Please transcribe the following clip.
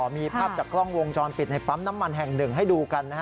มีภาพจากกล้องวงจรปิดในปั๊มน้ำมันแห่งหนึ่งให้ดูกัน